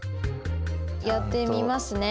やってみますね。